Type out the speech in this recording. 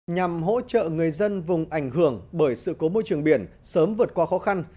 nhằm hỗ trợ người dân vùng ảnh hưởng bởi sự cố môi trường biển sớm vượt qua khó khăn